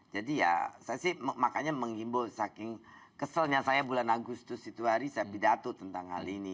jadi ya makanya mengimbol saking keselnya saya bulan agustus itu hari saya bidato tentang hal ini